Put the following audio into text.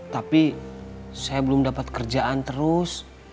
tapi saya belum dapat kerjaan terus